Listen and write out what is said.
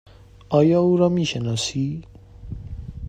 آیا او را می شناسی؟